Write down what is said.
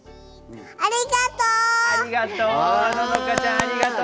ありがとう！